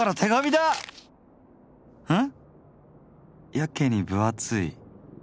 やけに分厚い。